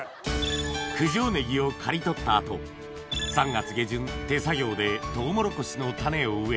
九条ねぎを刈り取った後３月下旬手作業でトウモロコシの種を植え